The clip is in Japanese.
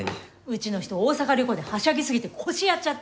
うちの人大阪旅行ではしゃぎすぎて腰やっちゃって。